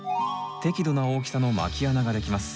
適度な大きさのまき穴が出来ます。